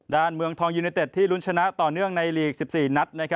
เมืองทองยูเนเต็ดที่ลุ้นชนะต่อเนื่องในลีก๑๔นัด